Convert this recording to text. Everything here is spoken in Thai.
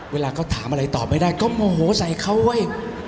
เวลาเขาถามอะไรตอบไม่ได้ก็โมโหใส่เขาเว้ย